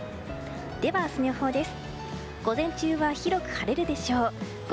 では、明日の予報です。